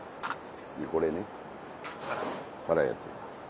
でこれね辛いやつ。